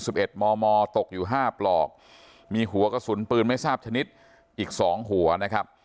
เอ็ดมอตกอยู่ห้าปลอกมีหัวกระสุนปืนไม่ทราบชนิดอีกสองหัวนะครับ